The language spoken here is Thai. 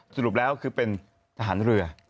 สรุปแล้วคือเป็นทหารเรือ